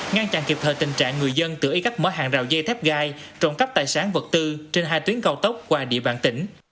ngăn chặn kịp thời tình trạng người dân tự ý các mở hàng rào dây thép gai trộn cắp tài sản vật tư trên hai tuyến cao tốc qua địa bàn tỉnh